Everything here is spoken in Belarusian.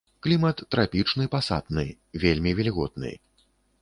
Клімат трапічны пасатны, вельмі вільготны.